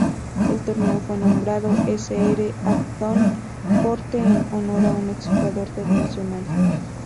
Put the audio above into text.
El torneo fue nombrado Sr. Abdón Porte en honor a un exjugador de Nacional.